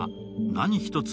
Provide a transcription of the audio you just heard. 何一つ